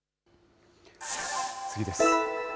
次です。